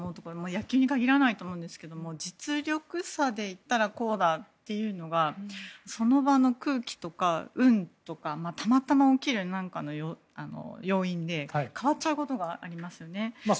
野球に限らないと思うんですけど実力者でいったらこうだというのがその場の空気とか運とかたまたま起きる何かの要因で変わっちゃうことがありますよね。